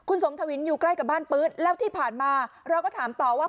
คุณสมทวินอยู่ใกล้กับบ้านปื๊ดแล้วที่ผ่านมาเราก็ถามต่อว่า